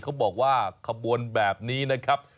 เขาบอกว่าขบวนแบบนี้นะครับ